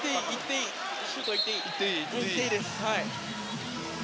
シュートいっていい。